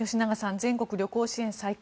全国旅行支援再開